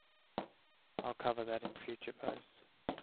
I'll cover that in future posts!